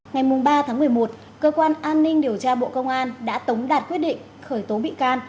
ngày ba tháng một mươi một cơ quan an ninh điều tra bộ công an đã tống đạt quyết định khởi tố bị can